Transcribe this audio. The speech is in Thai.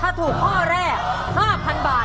ถ้าถูกข้อแรก๕๐๐๐บาทนะครับ